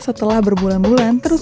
setelah berbulan bulan terus